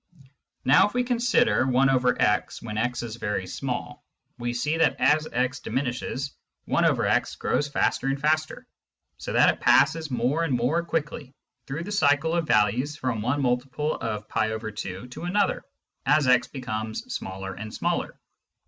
Now if we consider i/x when x is very small, we see that as x diminishes i/x grows faster and faster, so that it passes more and more quickly through the cycle of values from one multiple of 77/2 to another as x becomes smaller and smaller.